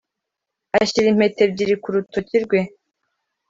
ashyira impeta ebyiri ku rutoki rwe